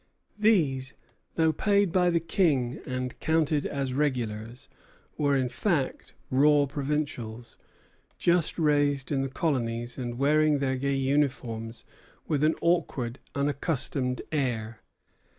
These, though paid by the King and counted as regulars, were in fact raw provincials, just raised in the colonies, and wearing their gay uniforms with an awkward, unaccustomed air.